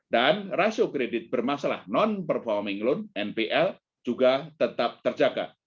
dan rasio kredit bermasalah non performing loan npl juga tetap terjaga